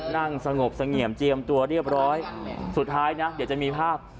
นั่งสงบเสงี่ยมเจียมตัวเรียบร้อยสุดท้ายนะเดี๋ยวจะมีภาพ